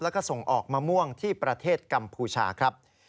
แล้วก็ส่งออกมะม่วงที่ประเทศกัมพูชาครับ